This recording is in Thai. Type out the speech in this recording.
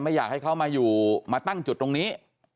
อยากให้เขามาอยู่มาตั้งจุดตรงนี้